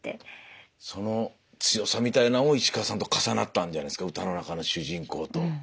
その強さみたいなのも石川さんと重なったんじゃないですか歌の中の主人公と。